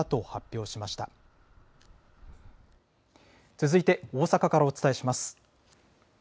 続いて大阪からお伝えします。